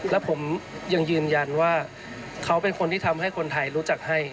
แล้วผมยังยืนยันว่าเขาเป็นคนที่ทำให้คนไทยรู้จักให้